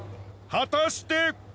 果たして？